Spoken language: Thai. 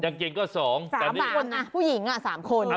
อย่างเก่งก็สองสามคนนะผู้หญิงสามคน